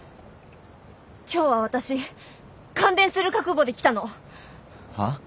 今日は私感電する覚悟で来たの。は？